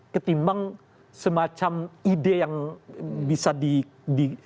ketimbang semacam ide yang bisa di buat kerangka kerjanya